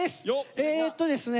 えっとですね